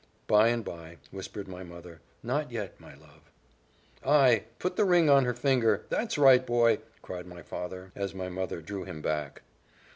"By and by," whispered my mother; "not yet, my love." "Ay, put the ring on her finger that's right, boy!" cried my father, as my mother drew him back.